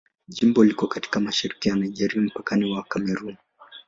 Jimbo liko katika mashariki ya Nigeria, mpakani wa Kamerun.